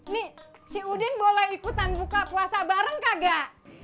nih si udin boleh ikutan buka puasa bareng gak